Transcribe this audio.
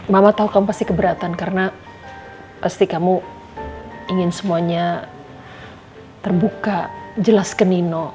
mama tahu kamu pasti keberatan karena pasti kamu ingin semuanya terbuka jelas ke nino